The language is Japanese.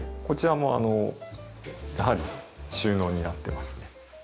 こちらもやはり収納になってますね。